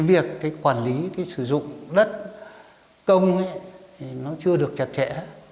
cái việc cái quản lý cái sử dụng đất công ấy nó chưa được chặt chẽ